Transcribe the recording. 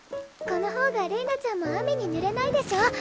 この方がれいなちゃんも雨にぬれないでしょ。